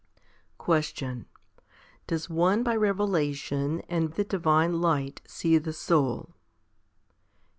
6. Question. Does one by revelation and the divine light see the soul